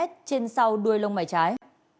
trên sau đuôi lông mảy trái